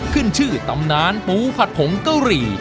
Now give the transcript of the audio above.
ขึ้นชื่อตำนานปูผัดผงเกาหรี่